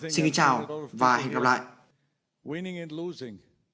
xin chào và hẹn gặp lại